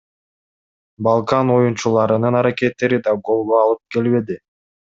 Балкан оюнчуларынын аракеттери да голго алып келбеди.